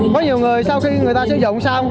có nhiều người sau khi người ta sử dụng xong